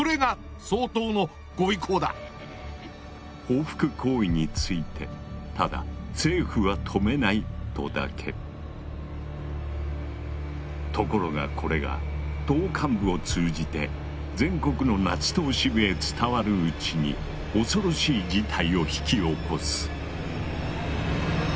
報復行為についてただ「政府は止めない」とだけ。ところがこれが党幹部を通じて全国のナチ党支部へ伝わるうちに恐ろしい事態を引き起こす。